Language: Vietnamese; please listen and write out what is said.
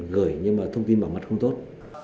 gửi nhưng mà thông tin bảo mật không tốt